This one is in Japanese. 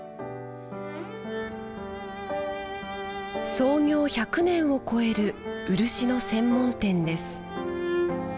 創業１００年を超える漆の専門店です